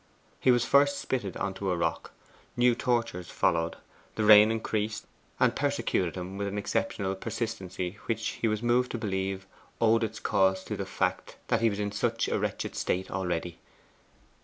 He was first spitted on to a rock. New tortures followed. The rain increased, and persecuted him with an exceptional persistency which he was moved to believe owed its cause to the fact that he was in such a wretched state already.